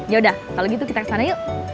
yaudah kalau gitu kita kesana yuk